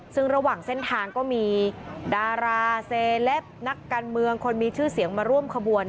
ซึ่งระหว่างเส้นทางก็มีดาราเซเลปนักการเมืองคนมีชื่อเสียงมาร่วมขบวน